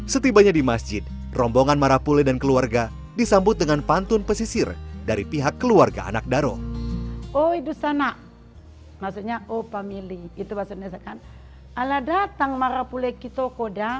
setibanya di masjid rombongan marapule dan keluarga disambut dengan pantun pesisir dari pihak keluarga anak daro